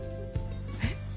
えっ？